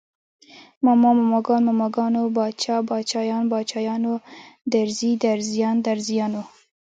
ماما، ماماګان، ماماګانو، باچا، باچايان، باچايانو، درزي، درزيان، درزیانو